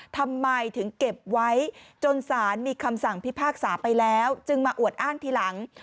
ทำไมถึงเก็บไว้จนสารมีคำสั่งพิพากษาไปแล้วจึงมาอวดอ้างทีหลัง